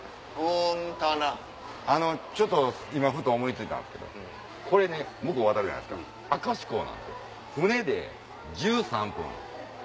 あのちょっと今ふと思い付いたんですけどこれね向こう渡るやないですか明石港なんですよ。